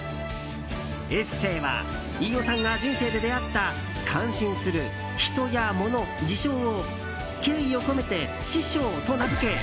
エッセーは飯尾さんが人生で出会った感心する人やモノ・事象を敬意を込めて師匠と名付け